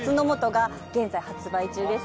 が現在発売中です